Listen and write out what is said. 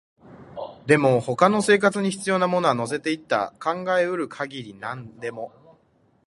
でも、他の生活に必要なものは乗せていった、考えうる限り何でも